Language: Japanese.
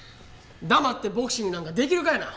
黙ってボクシングなんかできるかいな！